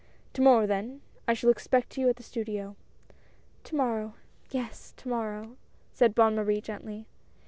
To morrow then, I shall expect you at the studio." "To morrow — yes, to morrow," said Bonne Marie,' gently.